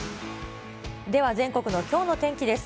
では、全国のきょうの天気です。